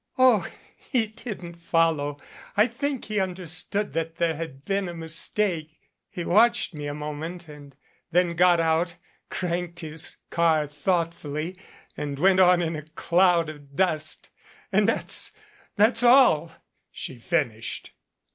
"Oh, he didn't follow. I think he understood that there had been a mistake. He watched me a moment and then got out, cranked his car thought fully, and went on in a cloud of dust And that thats' all," she finished.